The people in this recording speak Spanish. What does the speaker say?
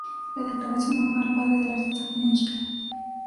La declaración nombra al padre del artista como 'Gil'.